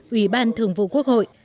ủy ban thường vụ quốc hội